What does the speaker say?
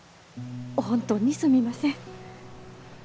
本当にすみません。